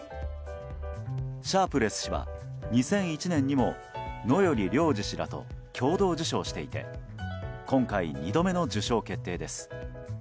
シャープレス氏は２００１年にも野依良治氏らと共同受賞していて今回、２度目の受賞決定です。